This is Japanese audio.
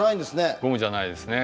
ゴムじゃないですね。